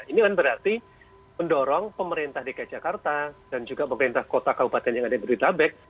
ini kan berarti mendorong pemerintah dki jakarta dan juga pemerintah kota kabupaten yang ada di dutabek